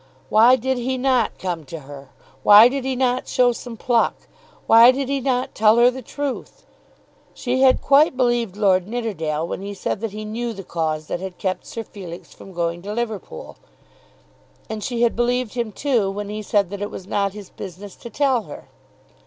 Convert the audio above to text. Why did he not come to her? Why did he not show some pluck? Why did he not tell her the truth? She had quite believed Lord Nidderdale when he said that he knew the cause that had kept Sir Felix from going to Liverpool. And she had believed him, too, when he said that it was not his business to tell her.